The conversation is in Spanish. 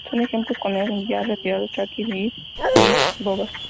Dos ejemplos son el ya retirado Shaquille O'Neal y Dwight Howard.